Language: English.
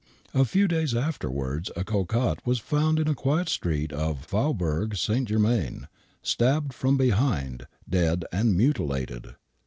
A few days afterwards a cocotte was found in a quiet street of the Faubourg St. Germain, stabbed from behind, dead and mutilated.